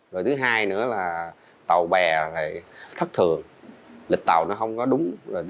rồi thứ hai nữa là tàu bè thất thường lịch tàu nó không có đúng